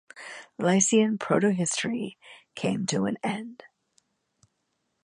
Lycian proto-history came to an end.